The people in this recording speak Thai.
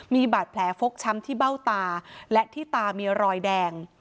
มีบาดแผลฟกช้ำที่เบ้าตาและที่ตามีรอยแดง